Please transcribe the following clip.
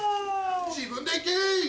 自分で行けい！